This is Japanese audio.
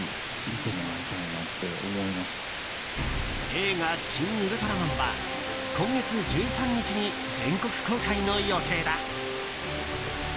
映画「シン・ウルトラマン」は今月１３日に全国公開の予定だ。